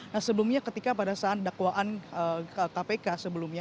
nah sebelumnya ketika pada saat dakwaan kpk sebelumnya